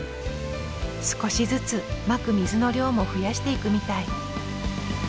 少しずつまく水の量も増やしていくみたい。